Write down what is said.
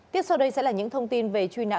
tiếp sau đây sẽ là những thông tin về truy nã